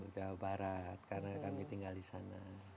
jawa barat karena kami tinggal di sana